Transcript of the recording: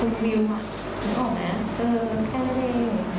มาใส่ที่หัวของฝนสูญเสียง